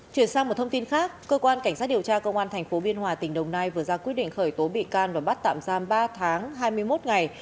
chuyển sang một thông tin khác cơ quan cảnh sát điều tra công an tp biên hòa tỉnh đồng nai vừa ra quyết định khởi tố bị can và bắt tạm giam ba tháng hai mươi một ngày